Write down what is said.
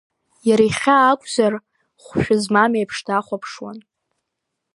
Иара ихьаа акәзар, хәшәы змам еиԥш дахәаԥшуан.